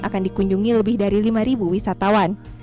akan dikunjungi lebih dari lima wisatawan